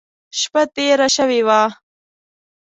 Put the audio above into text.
شپه تېره شوې وه.